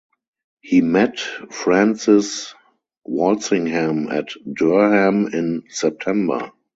He met Francis Walsingham at Durham in September.